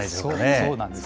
そうなんです。